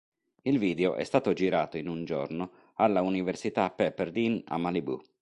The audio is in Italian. Il video è stato girato in un giorno alla Università Pepperdine, a Malibù.